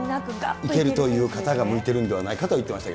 いける方が向いてるのではないかと言ってました。